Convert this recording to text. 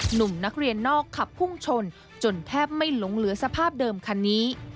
หนุ่มนักเรียนนอกขับพุ่งชนจนแทบไม่หลงเหลือสภาพเดิมคันนี้